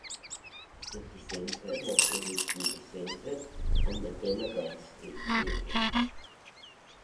The city centre was originally centred on the Donegall Street area.